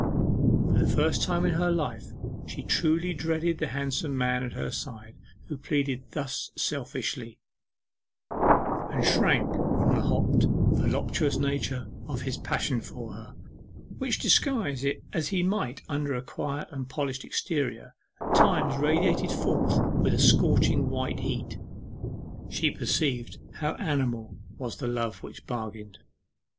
For the first time in her life she truly dreaded the handsome man at her side who pleaded thus selfishly, and shrank from the hot voluptuous nature of his passion for her, which, disguise it as he might under a quiet and polished exterior, at times radiated forth with a scorching white heat. She perceived how animal was the love which bargained.